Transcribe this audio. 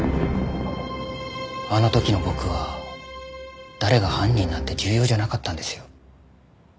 あの時の僕は誰が犯人なんて重要じゃなかったんですよ。